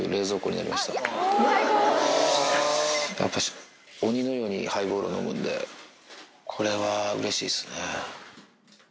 なんかやっぱり鬼のようにハイボールを飲むんで、これはうれしいですね。